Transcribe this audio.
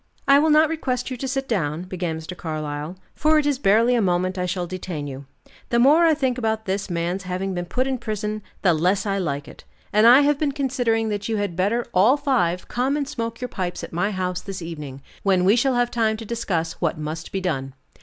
"I will not request you to sit down," began Mr. Carlyle, "for it is barely a moment I shall detain you. The more I think about this man's having been put in prison, the less I like it; and I have been considering that you had better all five, come and smoke your pipes at my house this evening, when we shall have time to discuss what must be done.